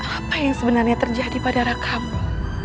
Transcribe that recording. apa yang sebenarnya terjadi pada rakamu